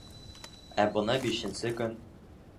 Ә бына бишенсе көн...